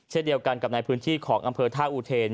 เช่นเดียวกันกับในพื้นที่ของอำเภอท่าอูเทน